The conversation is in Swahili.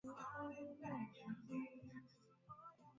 kiwango cha kusukari kinachohitajika mwilini kinazalishwa na kongosho